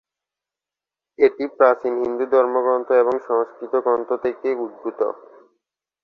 এটি প্রাচীন হিন্দু ধর্মগ্রন্থ এবং সংস্কৃত গ্রন্থ থেকে উদ্ভূত।